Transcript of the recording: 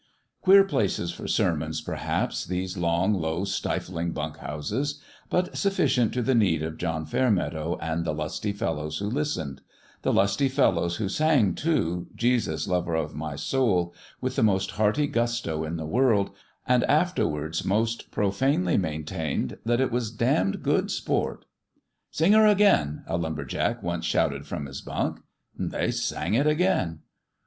Queer places for sermons, perhaps, these long, low, stifling bunk houses : but suffi cient to the need of John Fairmeadow and the lusty fellows who listened the lusty fellows who sang, too, " Jesus, Lover of My Soul " with the most hearty gusto in the world, and afterwards most profanely maintained that it was damned good sport. " Sing her again !" a lumber jack once shouted from his bunk. They sang it again.